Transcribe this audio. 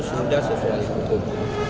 sudah sesuai hukum